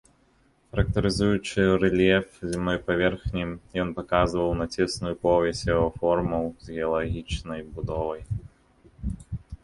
Характарызуючы рэльеф зямной паверхні, ён паказваў на цесную повязь яго формаў з геалагічнай будовай.